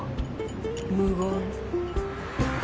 無言。